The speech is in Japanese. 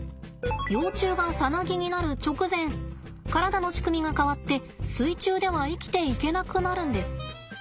幼虫がさなぎになる直前体の仕組みが変わって水中では生きていけなくなるんです。